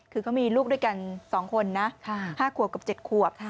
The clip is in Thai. คือเขามีลูกด้วยกัน๒คนนะ๕ขวบกับ๗ขวบ